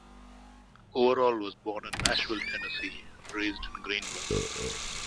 Overall was born in Nashville, Tennessee, and raised in Greeneville.